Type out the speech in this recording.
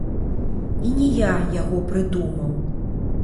І не я яго прыдумаў.